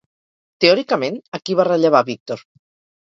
Teòricament, a qui va rellevar Víctor?